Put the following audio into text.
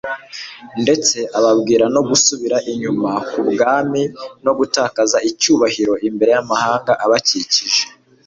ndetse ababwira no gusubira inyuma k'ubwami no gutakaza icyubahiro imbere y'amahanga abakikije